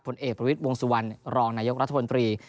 ผลเอกประวิทย์วงสุวรรณรองนายกรัฐมนตรี